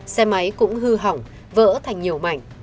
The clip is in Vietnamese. xe máy cũng hư hỏng vỡ thành nhiều mảnh